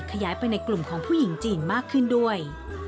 ขยายไปในกลุ่มของผู้หญิงจีนมากขึ้นด้วย